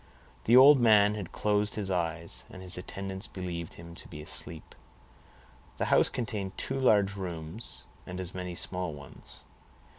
The old man had closed his eyes, and his attendants believed him to be asleep. The house contained two large rooms and as many small ones.